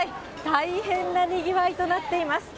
大変なにぎわいとなっています。